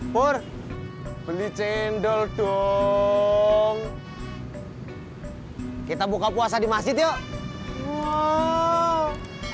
pur beli cendol dong kita buka puasa di masjid yuk